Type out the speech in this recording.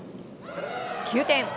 ９点。